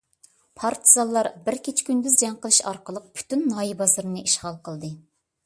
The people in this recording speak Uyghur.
پارتىزانلار بىر كېچە-كۈندۈز جەڭ قىلىش ئارقىلىق، پۈتۈن ناھىيە بازىرىنى ئىشغال قىلدى.